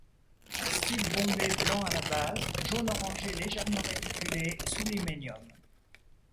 Stipe bombé blanc a la base, jaune orangé légèrement réticulé sous l'hymenium.